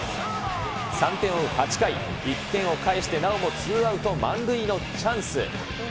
３点を追う８回、１点を返してなおもツーアウト満塁のチャンス。